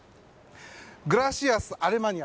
グラシアス、アルマニア。